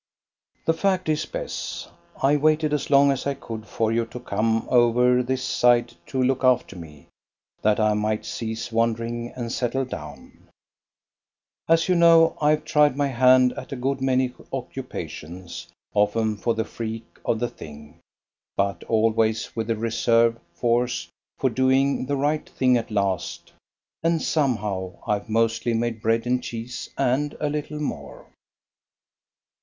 The fact is, Bess, I waited as long as I could for you to come over this side to look after me, that I might cease wandering and settle down. As you know, I've tried my hand at a good many occupations, often for the freak of the thing, but always with a reserve force for doing the right thing at last, and somehow I've mostly made bread and cheese and a little more.